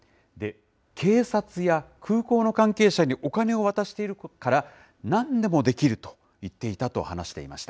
警察や空港の関係者にお金を渡しているから、なんでもできると言っていたと話していました。